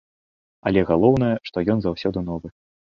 Але галоўнае, што ён заўсёды новы.